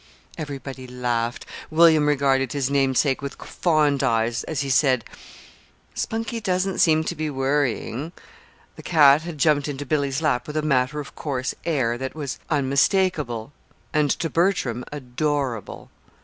Everybody laughed. William regarded his namesake with fond eyes as he said: "Spunkie doesn't seem to be worrying." The cat had jumped into Billy's lap with a matter of course air that was unmistakable and to Bertram, adorable.